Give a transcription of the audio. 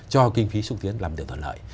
cho kinh phí xúc tiến làm điều thuận lợi